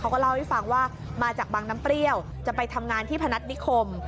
เขาก็เล่าให้ฟังว่ามาจากบางน้ำเปรี้ยวจะไปทำงานที่พนัฐนิคม